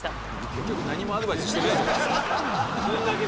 結局何もアドバイスしてないじゃないですか。